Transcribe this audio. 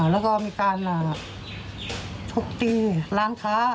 แล้วก็มีการทุบตีร้านค้า